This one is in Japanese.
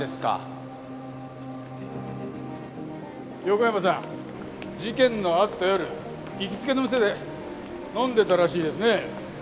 横山さん事件のあった夜行きつけの店で飲んでたらしいですね。